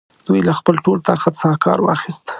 دوی له خپل ټول طاقت څخه کار واخیست.